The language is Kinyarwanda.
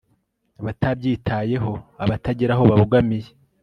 abatabyitayeho(abatagira aho babogamiye